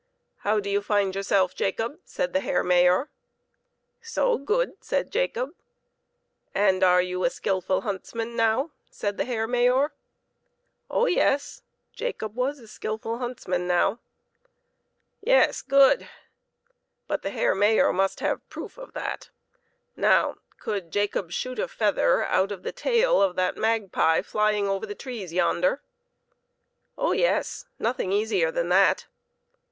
" How do you find yourself, Jacob ?" said the Herr Mayor. " So good," said Jacob. "And are you a skillful huntsman now?" said the Herr Mayor. Oh yes, Jacob was a skillful huntsman now. Yes, good ! But the Herr Mayor must have proof of that. Now, could Jacob shoot a feather out of the tail of the magpie flying over the trees yonder? Oh yes! nothing easier than that.